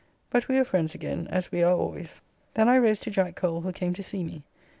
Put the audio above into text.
But we were friends again as we are always. Then I rose to Jack Cole, who came to see me.